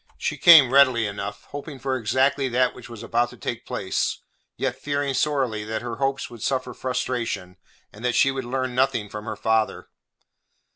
She came readily enough, hoping for exactly that which was about to take place, yet fearing sorely that her hopes would suffer frustration, and that she would learn nothing from her father.